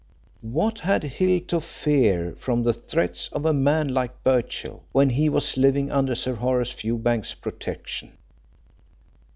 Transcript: What had Hill to fear, from the threats of a man like Birchill, when he was living under Sir Horace Fewbanks's protection?